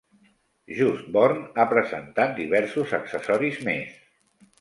Just Born ha presentat diversos accessoris més.